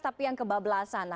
tapi yang kebablasan